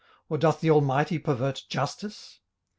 or doth the Almighty pervert justice?